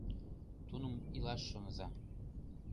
Тунм илаш шоныза.